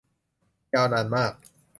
ยาวนานมาก